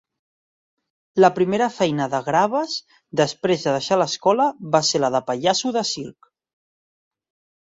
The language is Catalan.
La primera feina de Graves després de deixar l'escola va ser la de pallasso de circ.